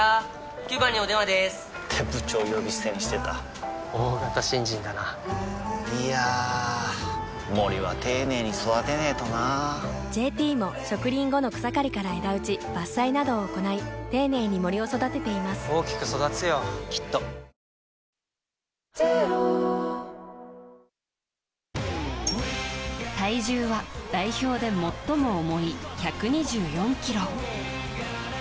９番にお電話でーす！って部長呼び捨てにしてた大型新人だないやー森は丁寧に育てないとな「ＪＴ」も植林後の草刈りから枝打ち伐採などを行い丁寧に森を育てています大きく育つよきっと体重は代表で最も重い１２４ｋｇ。